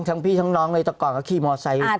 ทั้งพี่ทั้งน้องเลยตอนก่อนเขาขี้มอเซต์